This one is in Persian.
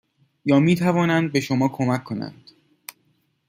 یا میتوانند به شما کمک کنند